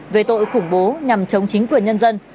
về tội khủng bố nhằm chống chính quyền nhân dân